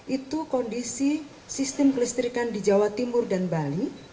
itu kondisi sistem kelistrikan di jawa timur dan bali